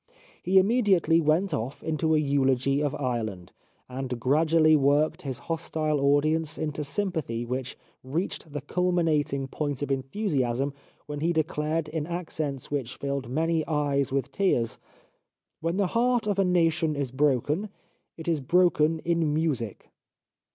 He immediately went off into a eulogy of Ireland, and gradually worked his hostile audience into sympathy which reached the culminating point of enthusiasm when he declared in accents which filled many eyes wdth tears :" When the heart of a nation is broken, it is broken in music."